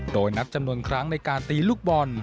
โดยนับจำนวนครั้งในการตีลูกบอล